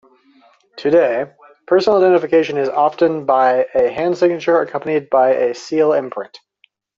Today, personal identification is often by a hand signature accompanied by a seal imprint.